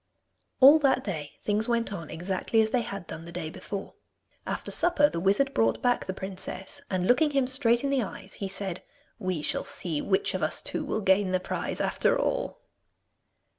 All that day things went on exactly as they had done the day before. After supper the wizard brought back the princess, and looking him straight in the eyes he said, 'We shall see which of us two will gain the prize after all!